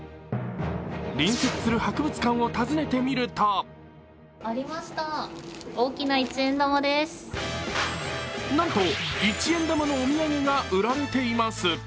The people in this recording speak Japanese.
隣接する博物館を訪ねてみるとなんと、一円玉のお土産が売られています。